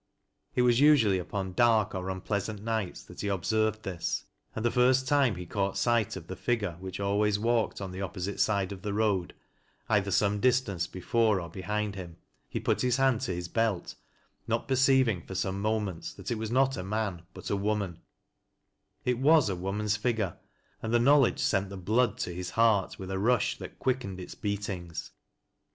It was nsnally upon dark or unpleasant nights that he observed this, and the first time he caught sight of the figure which always walked on the opposite side of the road, either some distance be fore or behind him, he put his hand to his belt, not perceiv ing for some moments that it was not a man but a woman It was a woman's figure, and the knowledge sent the blood to his heart with a rush that quickened its beatings.